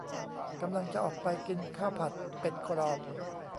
กำลังจะออกไปกินข้าวผัดเป็ดกรอบ